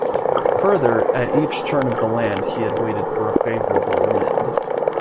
Further, at each turn of the land he had waited for a favourable wind.